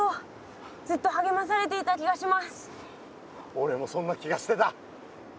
おれもそんな気がしてた。